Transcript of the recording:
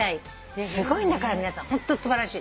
すごいんだから皆さんホント素晴らしい。